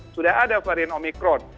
sudah ada varian omikron